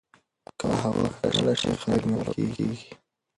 که هوا ککړه شي، خلک ناروغ کېږي.